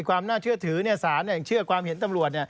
ความน่าเชื่อถือสารอย่างเชื่อความเห็นตำรวจ